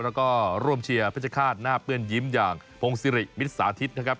แล้วก็ร่วมเชียร์เพชรฆาตหน้าเปื้อนยิ้มอย่างพงศิริมิตสาธิตนะครับ